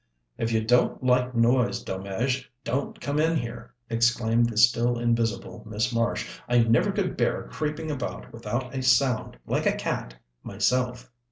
"If you don't like noise, Delmege, don't come in here," exclaimed the still invisible Miss Marsh. "I never could bear creeping about without a sound, like a cat, myself."